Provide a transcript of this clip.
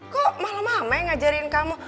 kok malah mama yang ngajarin kamu